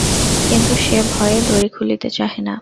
কিন্তু সে ভয়ে দড়ি খুলিতে চাহে না।